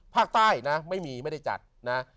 ภาคใต้นะไม่มีไม่ได้จัดนะ